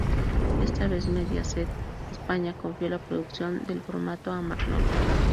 Esta vez, Mediaset España confió la producción del formato a Magnolia.